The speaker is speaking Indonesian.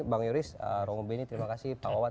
bang yoris rong beni terima kasih pak wawan